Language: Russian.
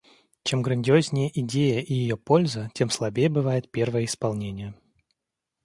Чем грандиознее идея и ее польза, тем слабее бывает первое исполнение.